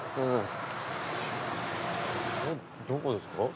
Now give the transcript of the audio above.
どこですか？